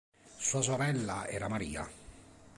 Sua sorella era Maria.